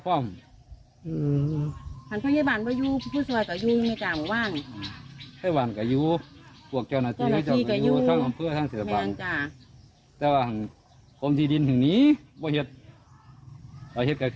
อ้าวลองฟังดูฮะ